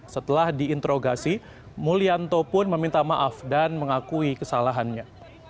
setelah diinterogasi mulyanto pun meminta maaf dan mengakui kesalahannya